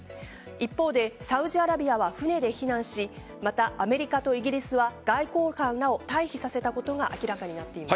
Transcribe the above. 一方でサウジアラビアは船で避難しまた、アメリカとイギリスは外交官らを退避させたことが明らかになっています。